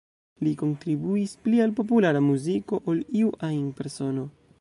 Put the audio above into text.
Li kontribuis pli al populara muziko ol iu ajn persono.